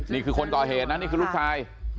นี่คือคนก่อเหตุนะนี่คือลูกชาย